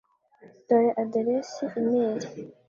Dore aderesi imeri .